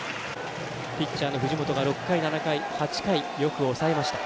ピッチャーの藤本が６回、７回、８回よく抑えました。